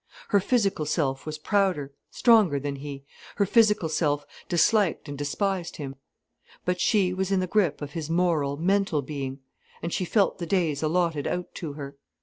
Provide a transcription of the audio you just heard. Her physical self was prouder, stronger than he, her physical self disliked and despised him. But she was in the grip of his moral, mental being. And she felt the days allotted out to her.